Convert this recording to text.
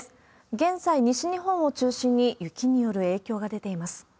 現在、西日本を中心に雪による影響が出ています。